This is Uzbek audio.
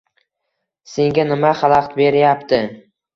Senga nima xalaqt berayapti?